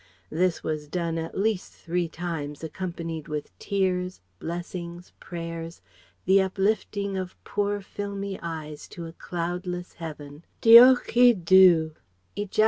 This was done at least three times, accompanied with tears, blessings, prayers, the uplifting of poor filmy eyes to a cloudless Heaven "Diolch i Dduw!"